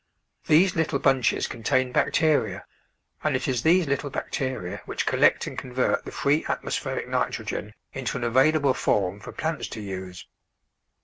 These little bunches contain bacteria, and it is these little bacteria which collect and con vert the free atmospheric nitrogen into an avail able form for plants to use.